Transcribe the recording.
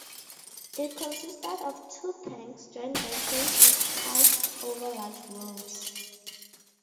It consisted of two tanks, joined by chains which passed over large wheels.